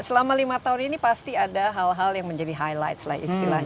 selama lima tahun ini pasti ada hal hal yang menjadi highlight lah istilahnya